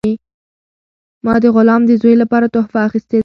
ما د غلام د زوی لپاره تحفه اخیستې ده.